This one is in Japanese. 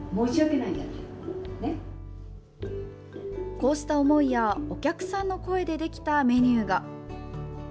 こうした思いやお客さんの声でできたメニューが。